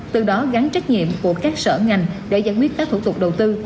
từ đó gắn trách nhiệm của các sở ngành để giải quyết các thủ tục đầu tư